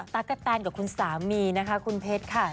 กะแตนกับคุณสามีนะคะคุณเพชรค่ะ